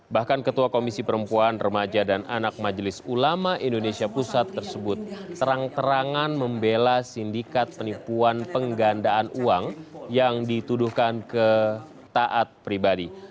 bahkan ketua komisi perempuan remaja dan anak majelis ulama indonesia pusat tersebut terang terangan membela sindikat penipuan penggandaan uang yang dituduhkan ke taat pribadi